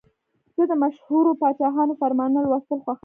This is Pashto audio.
زه د مشهورو پاچاهانو فرمانونه لوستل خوښوم.